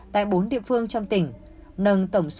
tại bốn địa phương trong tỉnh